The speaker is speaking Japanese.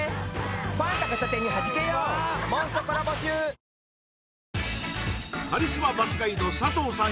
三菱電機カリスマバスガイド佐藤さん